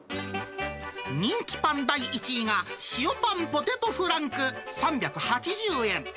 人気パン第１位が、塩パンポテトフランク３８０円。